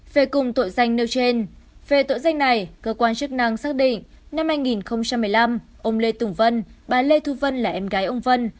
về cùng tội danh nêu trên về tội danh này cơ quan chức năng xác định năm hai nghìn một mươi năm ông lê tùng vân bà lê thu vân là em gái ông vân